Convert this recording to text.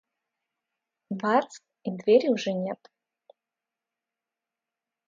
Бац! И двери уже нет.